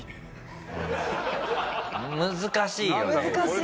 難しいよね。